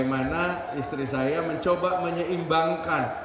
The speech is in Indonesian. bagaimana istri saya mencoba menyeimbangkan